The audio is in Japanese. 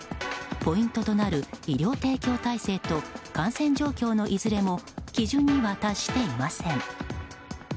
ポイントとなる医療提供体制と感染状況のいずれも基準には達していません。